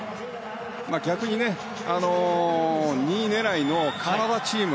逆に２位狙いのカナダチーム。